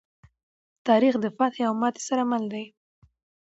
تاریخ د فتحې او ماتې سره مل دی.